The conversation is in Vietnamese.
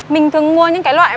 mình thường mua những cái loại